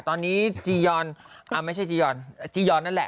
ตอนนี้จียอนไม่ใช่จียอนจียอนนั่นแหละ